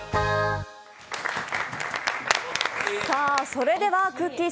それでは、くっきー！